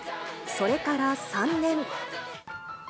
それから３年。